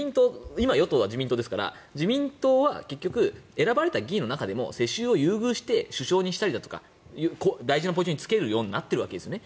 今、与党は自民党ですから自民党は結局選ばれた議員の中でも世襲を優遇して首相にしたりだとか大事なポジションに就けるようになっているわけですね。